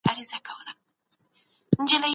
ملي شورا بهرنی سیاست نه بدلوي.